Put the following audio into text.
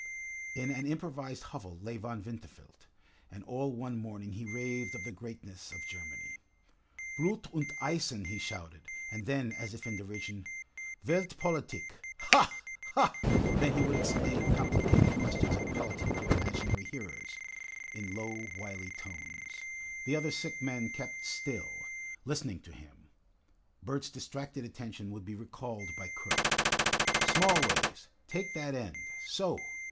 In an improvised hovel lay Von Winterfeld, and all one morning he raved of the greatness of Germany. "Blut und Eisen!" he shouted, and then, as if in derision, "Welt Politik ha, ha!" Then he would explain complicated questions of polity to imaginary hearers, in low, wily tones. The other sick men kept still, listening to him. Bert's distracted attention would be recalled by Kurt. "Smallways, take that end. So!"